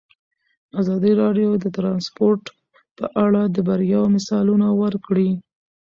ازادي راډیو د ترانسپورټ په اړه د بریاوو مثالونه ورکړي.